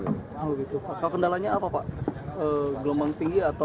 kendalanya apa pak gelombang tinggi atau